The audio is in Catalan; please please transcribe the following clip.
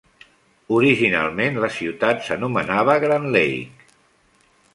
Originalment, la ciutat s'anomenava Grand Lake.